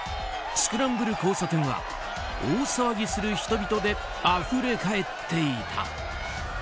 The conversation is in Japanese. スクランブル交差点は大騒ぎする人々であふれかえっていた。